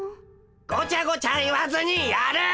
ごちゃごちゃ言わずにやる！